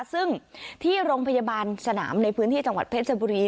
ซึ่งที่โรงพยาบาลสนามในพื้นที่จังหวัดเพชรบุรี